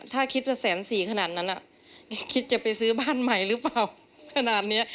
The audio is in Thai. ถ้าคิดจะแสนสี่ขนาดนั้นคิดจะไปซื้อบ้านใหม่หรือเปล่าขนาดนี้